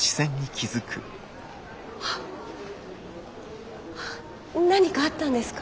あ何かあったんですか？